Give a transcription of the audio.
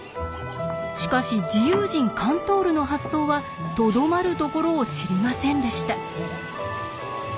しかし自由人カントールの発想はとどまるところを知りませんでした。